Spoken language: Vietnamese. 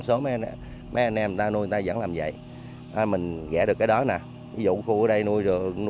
số mấy anh em người ta nuôi người ta vẫn làm vậy mình ghẽ được cái đó nè ví dụ khu ở đây nuôi